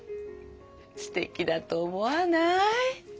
すてきだと思わない？